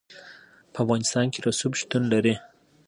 په افغانستان کې رسوب شتون لري.